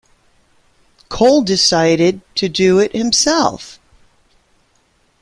Cole decided to do it himself.